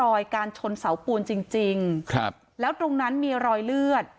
รอยการชนเสาปูนจริงจริงครับแล้วตรงนั้นมีรอยเลือด